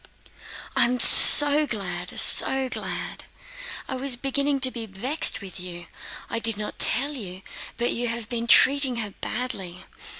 "I am so glad, so glad! I was beginning to be vexed with you. I did not tell you, but you have been treating her badly.